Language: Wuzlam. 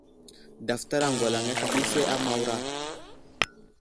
Daftar aŋgalaŋ ahe di say a Mawra.